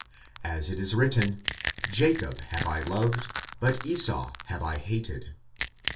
45:009:013 As it is written, Jacob have I loved, but Esau have I hated.